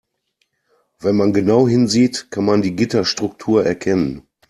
Wenn man genau hinsieht, kann man die Gitterstruktur erkennen.